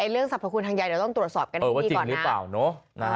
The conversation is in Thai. เรื่องสรรพคุณทางยาเดี๋ยวต้องตรวจสอบกันให้พี่ก่อนนะ